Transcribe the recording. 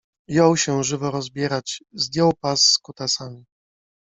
Jął się żywo rozbierać. Zdjął pas z kutasami